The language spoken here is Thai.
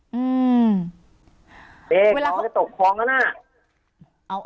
เฮ้ยตกคล้องแล้วนะ